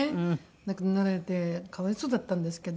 亡くなられて可哀想だったんですけど。